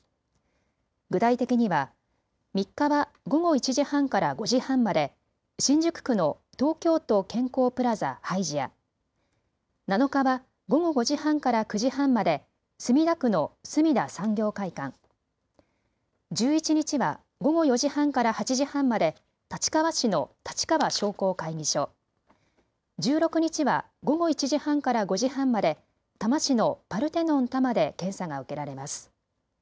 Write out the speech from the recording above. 具体的には３日は午後１時半から５時半まで、新宿区の東京都健康プラザハイジア、７日は午後５時半から９時半まで墨田区のすみだ産業会館で、１１日は午後４時半から８時半まで立川市の立川商工会議所、１６日は午後１時半から５時半まで多摩市のパルテノン多摩で検査が受けられます。